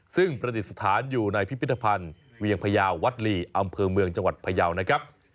ซึ่งประดิษฐานอยู่ในพิพิธภัณฑ์เวียงพยาววัดลีอำเภอเมืองจังหวัดพยาวนะครับ